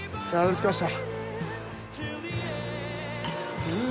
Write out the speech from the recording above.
着きました！